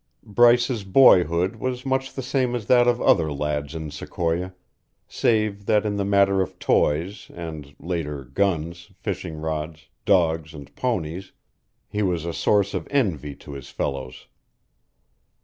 Bryce's boyhood was much the same as that of other lads in Sequoia, save that in the matter of toys and, later guns, fishing rods, dogs, and ponies he was a source of envy to his fellows.